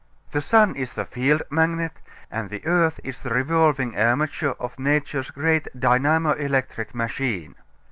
The sun is the field magnet, and the earth is the revolving armature of nature's great dynamo electric machine.